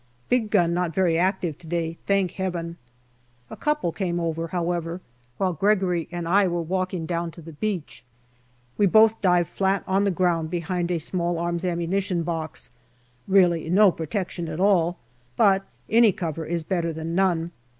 Big gun not very active to day, thank Heaven. A couple came over, however, while Gregory and I were walking down to the beach. We both dived flat on the ground behind an S.A. ammunition box really no protection at all, but any cover is better than none.